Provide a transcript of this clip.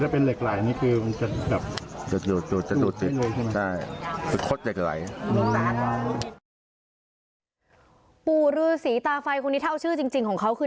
ปู่รือสีตาไฟคนนี้เท่าชื่อจริงของเขาคือ